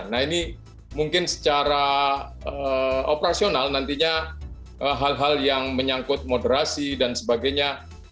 nah ini mungkin secara operasional nantinya hal hal yang menyangkut moderasi dan sebagainya